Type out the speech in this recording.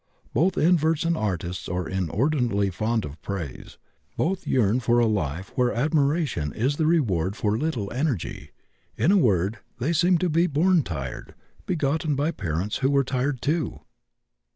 Both inverts and artists are inordinately fond of praise; both yearn for a life where admiration is the reward for little energy. In a word, they seem to be 'born tired,' begotten by parents who were tired, too."